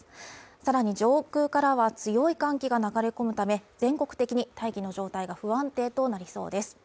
さらに上空からは強い寒気が流れ込むため、全国的に大気の状態が不安定となりそうです。